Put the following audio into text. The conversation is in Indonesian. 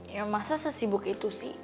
ya masa sesibuk itu sih